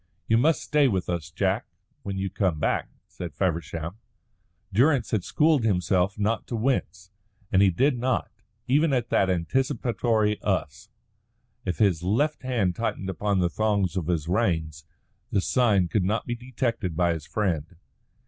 "You must stay with us, Jack, when you come back," said Feversham. Durrance had schooled himself not to wince, and he did not, even at that anticipatory "us." If his left hand tightened upon the thongs of his reins, the sign could not be detected by his friend.